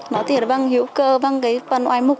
nó tiền bằng hữu cơ bằng cái phân oai mục